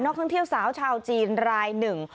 ท่องเที่ยวสาวชาวจีนรายหนึ่ง